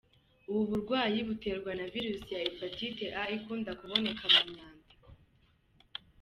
Ubu burwayi buterwa na virusi ya Hepatite A ikunda kuboneka mu myanda.